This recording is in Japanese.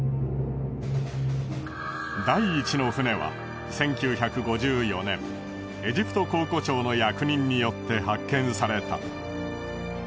第１の船は１９５４年エジプト考古庁の役人によって発見された。